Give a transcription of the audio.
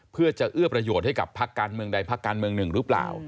เพื่อจะเอื้อประโยชน์ให้กับพักการเมืองใดพักการเมืองหนึ่งหรือเปล่า